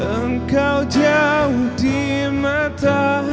engkau jauh di mata